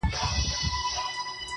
• هغه اوس گل ماسوم په غېږه كي وړي.